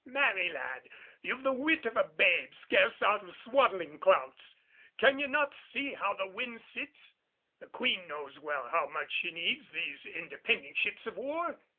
"Marry, lad, you've the wit of a babe scarce out of swaddling clouts. Can ye not see how the wind sits? The Queen knows well how much she needs these independent ships of war.